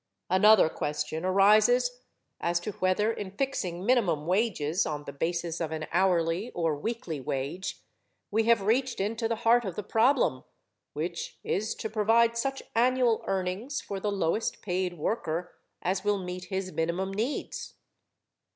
Another question arises as to whether in fixing minimum wages on the basis of an hourly or weekly wage we have reached into the heart of the problem which is to provide such annual earnings for the lowest paid worker as will meet his minimum needs.